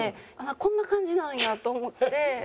こんな感じなんやと思って。